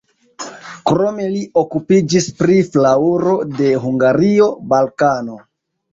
Krome li okupiĝis pri flaŭro de Hungario, Balkano.